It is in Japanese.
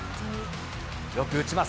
よく打ちます。